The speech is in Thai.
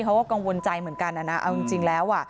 เขาก็กังวลใจเหมือนกันนะเอาจริงแล้ว